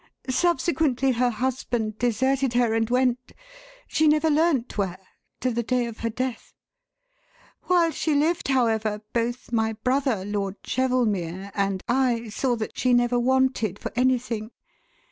Subsequently, her husband deserted her and went she never learnt where, to the day of her death. While she lived, however, both my brother, Lord Chevelmere, and I saw that she never wanted for anything.